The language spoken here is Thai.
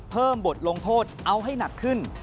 เพิ่มบทลงโทษเอาให้หนักขึ้น